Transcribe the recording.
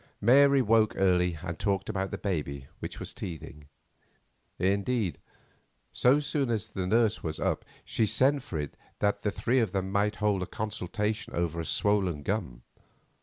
Mary woke early and talked about the baby, which was teething; indeed, so soon as the nurse was up she sent for it that the three of them might hold a consultation over a swollen gum.